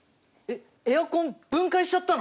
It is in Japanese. エアコン分解しちゃったの！？